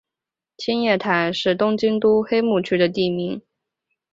青叶台是东京都目黑区的地名。